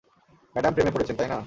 Madam প্রেমে পড়েছেন, তাই না?